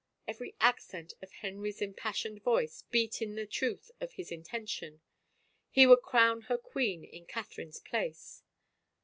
Every accent of Henry's impassioned voice beat in the truth of his intention. He would crown her queen in Catherine's place!